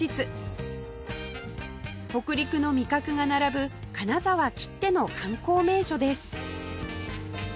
北陸の味覚が並ぶ金沢きっての観光名所です